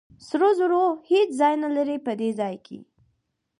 سرو زرو هېڅ ځای نه لري په دې ځای کې.